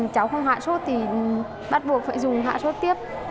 cháu không hạ sốt thì bắt buộc phải dùng hạ sốt tiếp